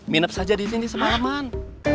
minep saja di sini semalaman